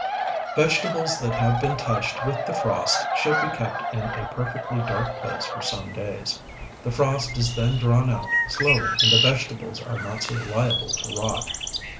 Vegetables that have been touched with the frost should be kept in a perfectly dark place for some days. The frost is then drawn out slowly, and the vegetables are not so liable to rot.